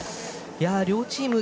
両チーム